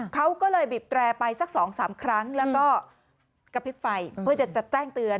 เขาก็เลยบีบแตรไปสัก๒๓ครั้งแล้วก็กระพริบไฟเพื่อจะแจ้งเตือน